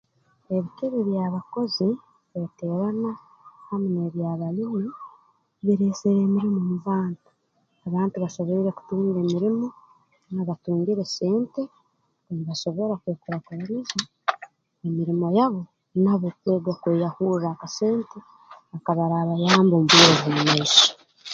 Ebitebe by'abakozi-kweteerana hamu n'eby'abalimi bireesere emirimo mu bantu abantu basoboire kutunga emirimo batungire sente nibasobora kwekurakuraniza emirimo yabo nabo kwega kweyahurra akasente akabarabayamba mu bwire obw'omu maiso